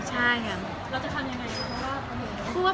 แล้วจะทำยังไงเพราะว่า